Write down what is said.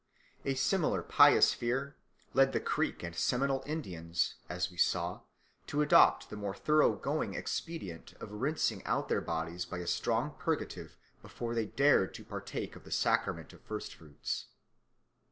A similar pious fear led the Creek and Seminole Indians, as we saw, to adopt the more thoroughgoing expedient of rinsing out their bodies by a strong purgative before they dared to partake of the sacrament of first fruits.